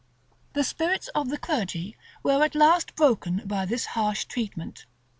The spirits of the clergy were at last broken by this harsh treatment.